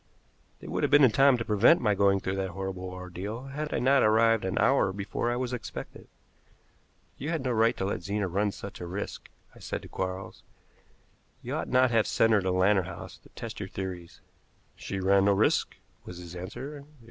They would have been in time to prevent my going through that horrible ordeal had I not arrived an hour before I was expected. "You had no right to let Zena ran such a risk," I said to Quarles. "You ought not to have sent her to Lantern House to test your theories." "She ran no risk," was his answer.